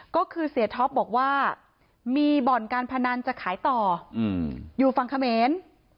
ก็คือเศรษฐพบอกว่ามีบ่อนการพนันจะขายต่ออยู่ฟังคเม้น